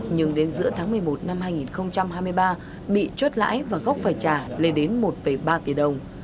nhưng đến giữa tháng một mươi một năm hai nghìn hai mươi ba bị chốt lãi và gốc phải trả lên đến một ba tỷ đồng